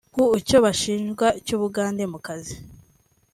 Ku cyo bashinjwa cy’ubugande mu kazi